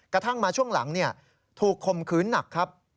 กระทั่งมาช่วงหลังถูกคมขืนหนักครับ